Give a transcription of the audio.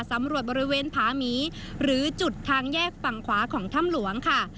สำรวจบริเวณผาหมีหรือจุดทางแยกฝั่งขวาของถ้ำหลวงค่ะ